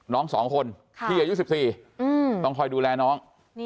น้อง๒คนที่อายุ๑๔ต้องคอยดูแลน้อง